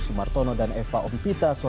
dia enggak tahu